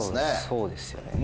そうですよね。